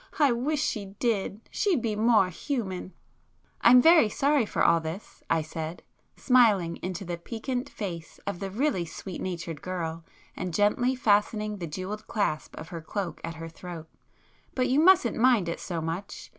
—I wish she did,—she'd be more human!" "I'm very sorry for all this,"—I said, smiling into the piquante face of the really sweet natured girl, and gently fastening the jewelled clasp of her cloak at her throat—"But you mustn't mind it so much.